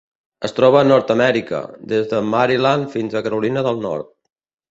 Es troba a Nord-amèrica: des de Maryland fins a Carolina del Nord.